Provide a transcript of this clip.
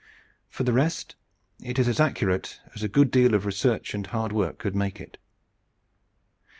For the rest, it is as accurate as a good deal of research and hard work could make it.